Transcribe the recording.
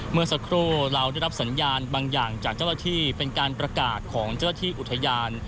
เมื่อสักครู่เราได้รับสัญญาณบางอย่างจากเจ้าหน้าที่เป็นการประกาศของเจ้าหน้าที่อุทยาน